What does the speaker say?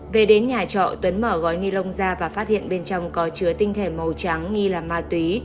về đến nhà trọ tuấn mở gói ni lông ra và phát hiện bên trong có chứa tinh thể màu trắng nghi là ma túy